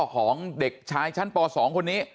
ของเด็กชายชั้นป๒คนนี้